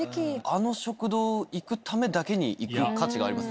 あの食堂行くためだけに行く価値がありますよね。